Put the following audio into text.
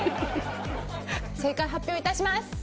正解発表いたします。